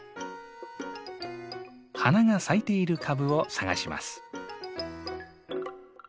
花が咲いている株を探します。